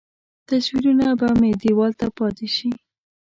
تصویرونه به مې دیوال ته پاتې شي.